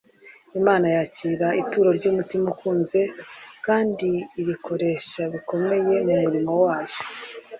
Imana yakira ituro ry'umutima ukuruze, kandi irikoresha bikomeye mu murimo wayo.